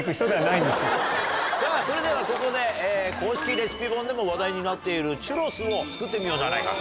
さぁそれではここで公式レシピ本でも話題になっているチュロスを作ってみようじゃないかと。